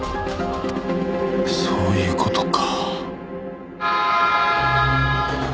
そういう事か。